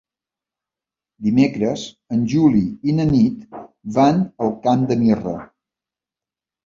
Dimecres en Juli i na Nit van al Camp de Mirra.